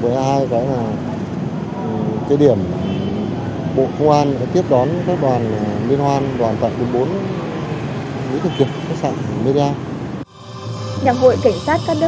với ai cái điểm bộ công an tiếp đón các đoàn liên hoan đoàn tạc đường bốn lĩnh thực kiệm khách sạn mê đeo